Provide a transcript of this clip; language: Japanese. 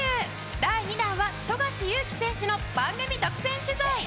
第２弾は富樫勇樹選手の番組独占取材。